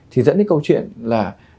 thì dẫn đến câu chuyện là